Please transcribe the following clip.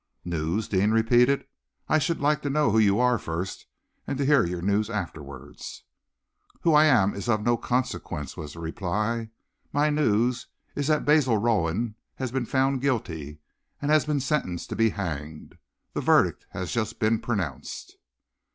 "News?" Deane repeated. "I should like to know who you are first, and to hear your news afterwards." "Who I am is of no consequence," was the reply. "My news is that Basil Rowan has been found guilty, and has been sentenced to be hanged. The verdict has just been pronounced."